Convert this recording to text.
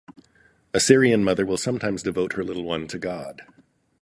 A Syrian mother will sometimes devote her little one to God.